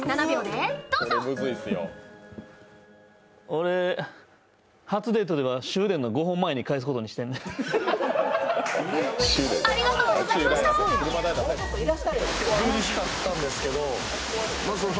俺、初デートでは終電の５本前に帰すことにしてんのや。